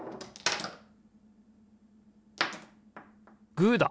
グーだ！